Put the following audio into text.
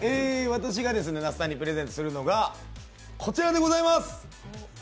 私が那須さんにプレゼントするのがこちらでございます。